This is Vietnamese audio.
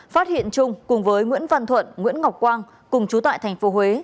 viện trung cùng với nguyễn văn thuận nguyễn ngọc quang cùng trú tại tp huế